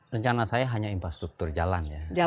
rencana saya hanya infrastruktur jalan ya